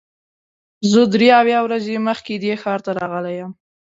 زه درې اویا ورځې مخکې دې ښار ته راغلی یم.